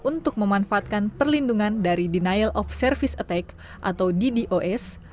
untuk memanfaatkan perlindungan dari denial of service attack atau ddos